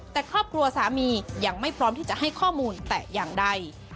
แต่ครอบครัวสามียังไม่พร้อมที่จะให้ข้อมูลแต่อย่างใด